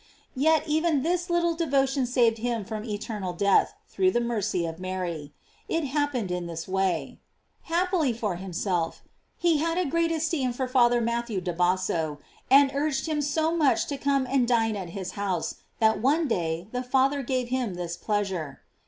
Yet, even this little devotion saved him from eternal death, through the mercy of Mary. It happened in this way: Happily for himself, he had a great esteem for Father Mat thew da Basso, and urged him so much to come and dine at his house., that one day the Father gave him this pleasure.